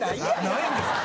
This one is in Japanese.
ないんですよ。